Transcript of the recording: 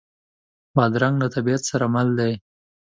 بادرنګ له طبیعت سره مل دی.